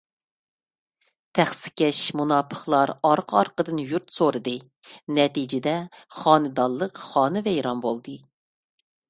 تەخسىكەش مۇناپىقلار ئارقا - ئارقىدىن يۇرت سورىدى. نەتىجىدە، خانىدانلىق خانىۋەيران بولدى.